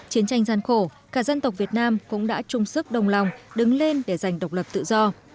chiến tranh gian khổ cả dân tộc việt nam cũng đã chung sức đồng lòng đứng lên để giành độc lập tự do